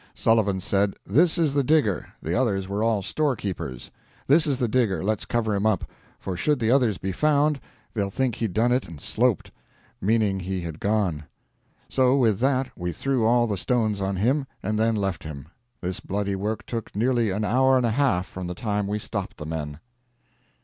Sullivan said, 'This is the digger, the others were all storekeepers; this is the digger, let's cover him up, for should the others be found, they'll think he done it and sloped,' meaning he had gone. So with that we threw all the stones on him, and then left him. This bloody work took nearly an hour and a half from the time we stopped the men."